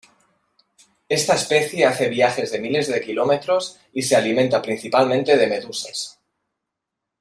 Esta especie hace viajes de miles de kilómetros y se alimenta principalmente de medusas.